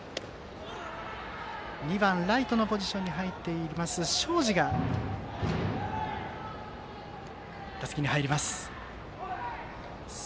２番ライトのポジションに入っている、東海林が打席に入ります。